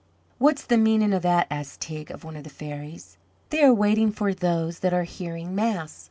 "What's the meanin' o' that?" asked Teig of one of the fairies. "They are waiting for those that are hearing mass.